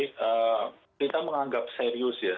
jadi kita menganggap serius ya